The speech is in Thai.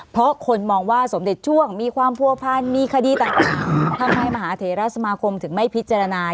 เพราะคนมองว่าสมเด็จช่วงมีความผัวพันมีคดีต่างทำให้มหาเทราสมาคมถึงไม่พิจารณา